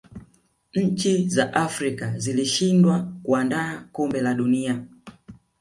nchi za Afrika zilishindwa kuandaa kombe la dunia